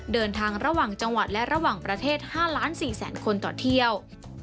เดินทางระหว่างจังหวัดและระหว่างประเทศ๕ล้าน๔แสนคนต่อเที่ยว